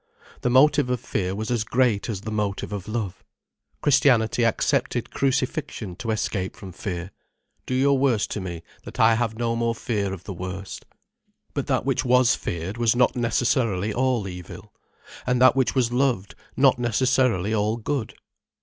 The motive of fear was as great as the motive of love. Christianity accepted crucifixion to escape from fear; "Do your worst to me, that I may have no more fear of the worst." But that which was feared was not necessarily all evil, and that which was loved not necessarily all good.